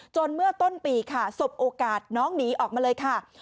เมื่อต้นปีค่ะสบโอกาสน้องหนีออกมาเลยค่ะ